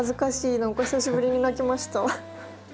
何か久しぶりに泣きました。